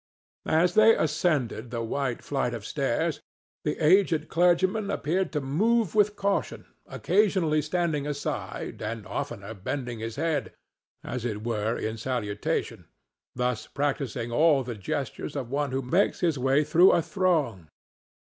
As they ascended the wide flight of stairs the aged clergyman appeared to move with caution, occasionally standing aside, and oftener bending his head, as it were in salutation, thus practising all the gestures of one who makes his way through a throng.